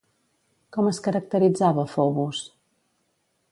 Com es caracteritzava Fobos?